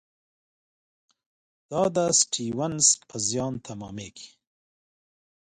دا د سټیونز پر زیان تمامېږي.